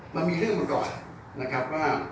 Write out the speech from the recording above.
มันมีเรื่องมาก่อนนะครับว่า